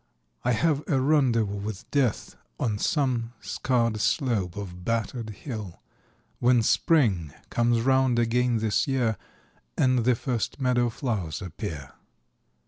I have a rendezvous with Death On some scarred slope of battered hill, When Spring comes round again this year And the first meadow flowers appear.